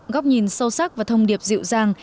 góc nhìn sâu sắc và thông điệp dịu dàng